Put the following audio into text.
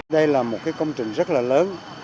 đây là một cái công trình rất là lớn